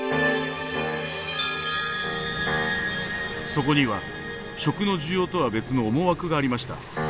そこには食の需要とは別の思惑がありました。